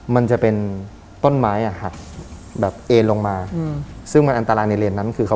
มันจะเป็นต้นไม้ใส่ลงมาซึ่งมันอันตรายในเลนส์นั้นคือ